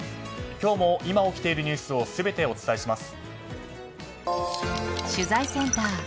今日も今起きているニュースを全てお伝えします。